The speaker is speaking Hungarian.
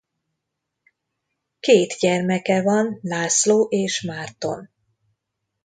Két gyermeke van László és Márton.